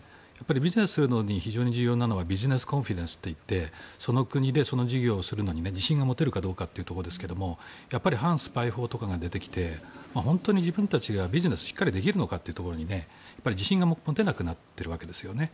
ビジネスをやるのに非常に重要なのはビジネスコンフィデンスといってその国でその事業をするのに自信が持てるかどうかというところですけども反スパイ法とかが出てきて自分たちがビジネスをしっかりできるのか自信が持てなくなっているわけですね。